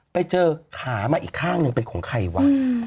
ไปเจอขามาอีกข้างหนึ่งเป็นของใครวะ